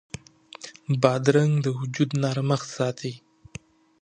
بادرنګ د وجود نرمښت ساتي.